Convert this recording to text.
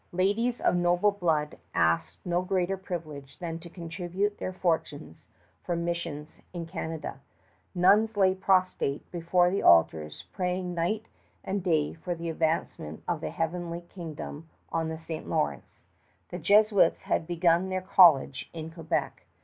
Ladies of noble blood asked no greater privilege than to contribute their fortunes for missions in Canada. Nuns lay prostrate before altars praying night and day for the advancement of the heavenly kingdom on the St. Lawrence. The Jesuits had begun their college in Quebec.